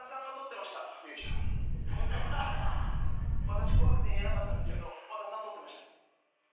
私怖くて言えなかったんですけど和田さん取ってました。